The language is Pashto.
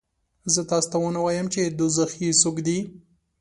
زه تاسې ته ونه وایم چې دوزخي څوک دي؟